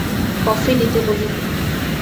Coffee দিতে বলি।